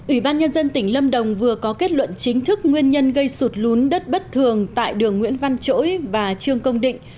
ủy ban nhân dân tỉnh lâm đồng vừa có kết luận chính thức nguyên nhân gây sụt lún đất bất thường tại đường nguyễn văn chỗi và trương công định